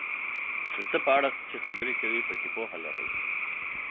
د څه په اړه چې خبرې کوې پکې پوهه لرل،